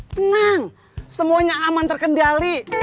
tenang semuanya aman terkendali